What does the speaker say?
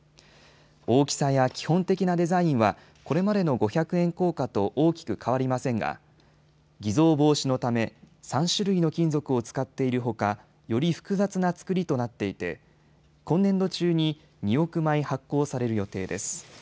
大きさや基本的なデザインはこれまでの五百円硬貨と大きく変わりませんが偽造防止のため３種類の金属を使っているほか、より複雑な造りとなっていて今年度中に２億枚、発行される予定です。